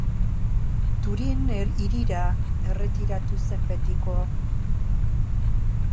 Turin hirira erretiratu zen betiko.